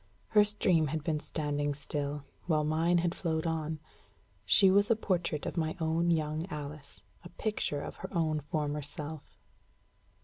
Her stream had been standing still, while mine had flowed on. She was a portrait of my own young Alice, a picture of her own former self.